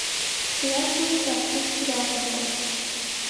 Ճրագն ինձ սաստիկ գրավում էր: